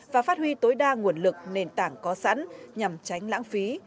và phát huy tối đa nguồn lực nền tảng có sẵn nhằm tránh lãng phí